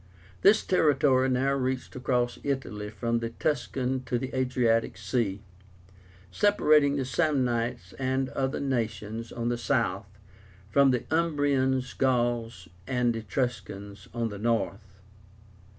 This territory now reached across Italy from the Tuscan to the Adriatic Sea, separating the Samnites and other nations on the south from the Umbrians, Gauls, and Etruscans on the north.